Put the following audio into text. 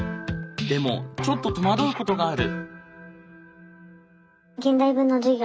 でもちょっと戸惑うことがある。